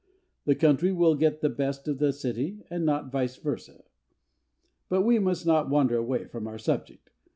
The country will get the best of the city and not vice versa. But we must not wander away from our subject.